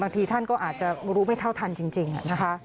ท่านก็อาจจะรู้ไม่เท่าทันจริงนะคะ